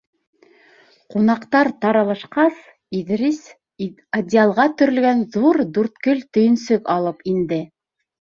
Ҡунаҡтар таралышҡас, Иҙрис одеялға төрөлгән ҙур дүрткел төйөнсөк алып инде.